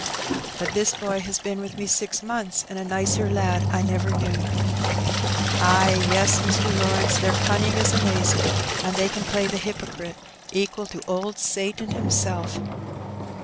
"But this boy has been with me six months, and a nicer lad I never knew," "Ay, yes, Mr. Lawrence, their cunning ia amazing; and t^iey cao play the hypocrite equ^ to old Satan himself.